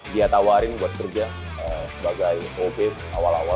dia tawarin buat kerja sebagai ob awal awal